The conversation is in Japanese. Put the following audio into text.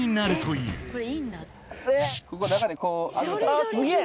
あっすげぇ！